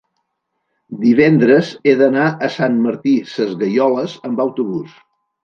divendres he d'anar a Sant Martí Sesgueioles amb autobús.